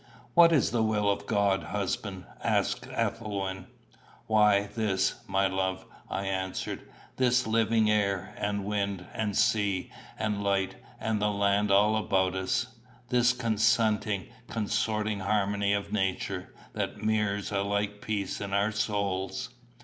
"What is the will of God, husband?" asked Ethelwyn. "Why, this, my love," I answered; "this living air, and wind, and sea, and light, and land all about us; this consenting, consorting harmony of Nature, that mirrors a like peace in our souls.